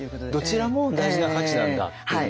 どちらも大事な価値なんだっていう。